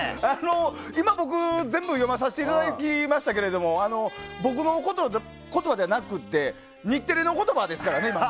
今、僕、全部読まさせていただきましたけど僕の言葉じゃなくて日テレの言葉ですからね。